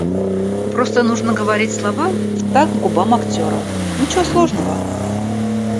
Просто нужно говорить слова в такт губам актера, ничего сложного.